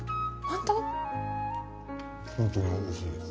本当においしいです。